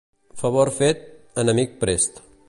Favor fet, enemic prest.